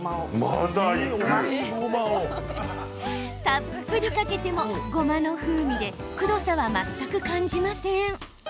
たっぷりかけてもごまの風味でくどさは全く感じません。